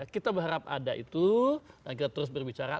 kita berharap ada itu dan kita terus berbicara